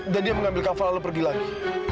dan dia mengambil kafa lalu pergi lagi